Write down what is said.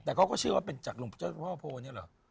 แต่เขาก็เชื่อว่าเป็นจากหลวงพ่อเจ้าพ่อโพเนี่ยเหรอ